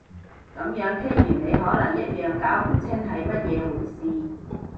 噉樣傾完你可能一樣搞唔清係乜嘢回事